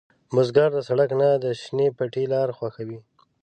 بزګر د سړک نه، د شنې پټي لاره خوښوي